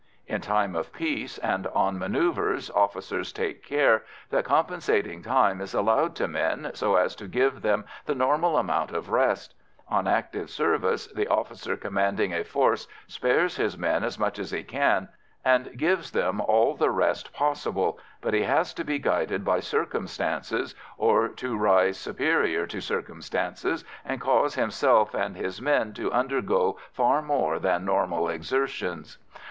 In time of peace and on manœuvres, officers take care that compensating time is allowed to men, so as to give them the normal amount of rest; on active service, the officer commanding a force spares his men as much as he can, and gives them all the rest possible, but he has to be guided by circumstances, or to rise superior to circumstances and cause himself and his men to undergo far more than normal exertions.